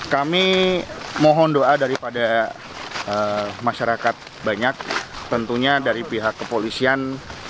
kami mohon doa daripada masyarakat banyak tentunya dari pihak kepolisian